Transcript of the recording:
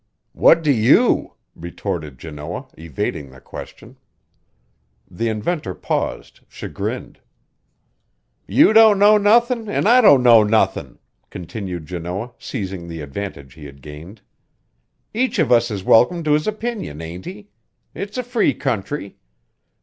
"What do you?" retorted Janoah, evading the question. The inventor paused, chagrined. "You don't know nothin' an' I don't know nothin'," continued Janoah, seizing the advantage he had gained. "Each of us is welcome to his opinion, ain't he? It's a free country.